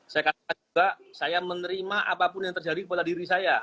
saya katakan juga saya menerima apapun yang terjadi kepada diri saya